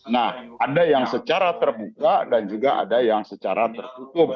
nah ada yang secara terbuka dan juga ada yang secara tertutup